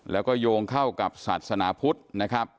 แล้วก็โยงเข้ากับศาสนาพุทธนะครับ